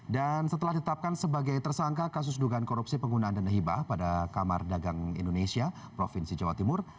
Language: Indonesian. dan setelah ditetapkan sebagai tersangka kasus dugaan korupsi penggunaan denah hibah pada kamar dagang indonesia provinsi jawa timur